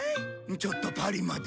ちょっとパリまで。